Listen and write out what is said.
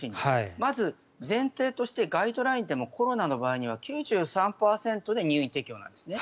まず前提としてガイドラインでもコロナの場合には９３％で入院適用なんですね。